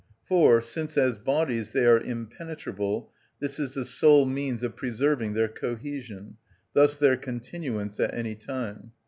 For, since as bodies they are impenetrable, this is the sole means of preserving their cohesion, thus their continuance at any time.